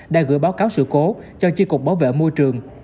đã gửi báo cáo sự cố cho chi cục bảo vệ môi trường